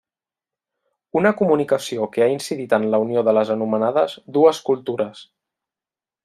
Una comunicació que ha incidit en la unió de les anomenades 'dues cultures'.